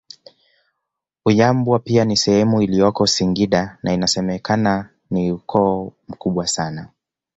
Unyambwa pia ni sehemu iliyoko Singida na inasemekana ni ukoo mkubwa sana